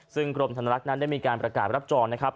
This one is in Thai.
ซึ่งกรมธนรักษ์นั้นได้มีการประกาศรับจองนะครับ